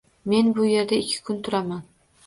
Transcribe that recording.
Men bu yerda ikki kun turaman.